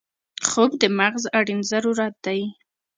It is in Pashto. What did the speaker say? خوب د مغز اړین ضرورت دی